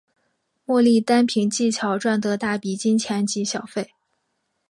莫莉单凭技巧赚得大笔金钱及小费。